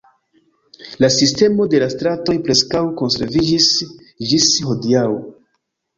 La sistemo de la stratoj preskaŭ konserviĝis ĝis hodiaŭ.